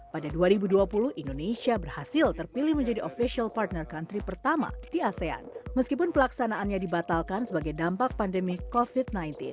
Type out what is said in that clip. pada dua ribu dua puluh indonesia berhasil terpilih menjadi official partner country pertama di asean meskipun pelaksanaannya dibatalkan sebagai dampak pandemi covid sembilan belas